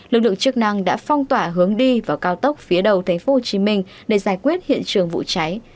lực lượng chức năng đã phong tỏa hướng đi vào cao tốc phía đầu tp hcm để giải quyết hiện trường vụ cháy